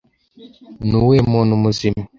ni uwuhe muntu muzima